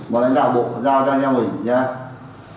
mời đại đạo bộ giao cho anh em mình nha